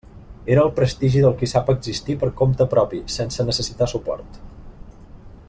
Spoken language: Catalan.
Era el prestigi del qui sap existir per compte propi, sense necessitar suport.